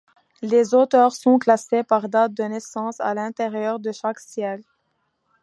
Les auteurs sont classés par date de naissance à l'intérieur de chaque siècle.